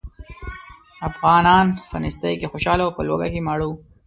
افغانان په نېستۍ کې خوشاله او په لوږه کې ماړه وو.